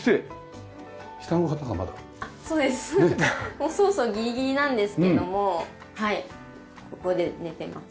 もうそろそろギリギリなんですけどもここで寝てます。